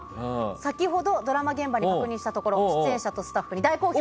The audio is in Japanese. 先ほどドラマ現場に確認したところ出演者とスタッフに大好評！